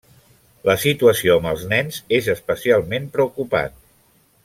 La situació amb els nens és especialment preocupant.